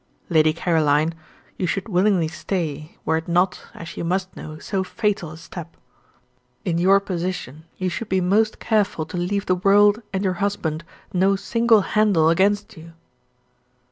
"Lady Caroline, you should willingly stay, were it not, as you must know, so fatal a step. In your position, you should be most careful to leave the world and your husband no single handle against you."